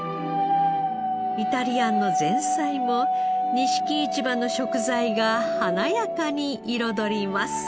イタリアンの前菜も錦市場の食材が華やかに彩ります。